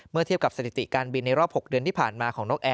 เทียบกับสถิติการบินในรอบ๖เดือนที่ผ่านมาของนกแอร์